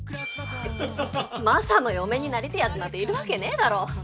マサの嫁になりてえやつなんているわけねえだろ。